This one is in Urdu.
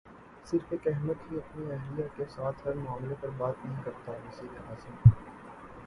صرف ایک احمق ہی اپنی اہلیہ کے ساتھ ہر معاملے پر بات نہیں کرتا وزیراعظم